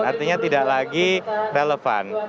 artinya tidak lagi relevan